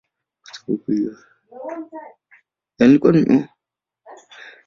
Kwa sababu hiyo hawawezi kutembea vizuri.